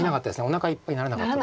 おなかいっぱいにならなかった。